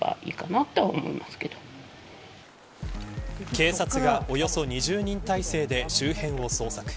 警察がおよそ２０人態勢で周辺を捜索。